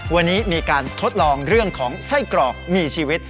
วันนี้มีการทดลองเรื่องของไส้กรอกมีชีวิต